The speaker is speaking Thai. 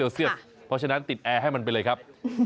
เพราะฉะนั้นติดแอร์ให้มันไปเลยครับ